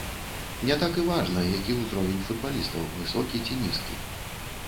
Не так і важна, які ўзровень футбалістаў, высокі ці нізкі.